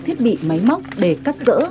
thiết bị máy móc để cắt rỡ